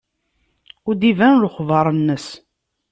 Ur d-iban lexbar-nnes.